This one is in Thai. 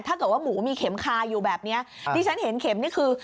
ถ้าเกิดว่าหมูมีเข็มคาอยู่แบบเนี้ยที่ฉันเห็นเข็มนี่คือ